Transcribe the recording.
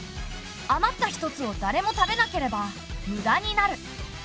余った１つを誰も食べなければ無駄になる。